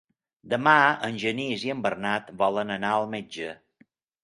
Demà en Genís i en Bernat volen anar al metge.